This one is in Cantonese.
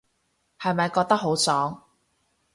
係咪覺得好爽